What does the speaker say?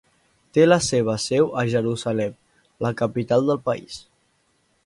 Té la seva seu a Jerusalem, la capital del país.